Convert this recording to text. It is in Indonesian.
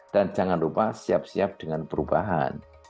dan jangan lupa siap siap dengan perubahan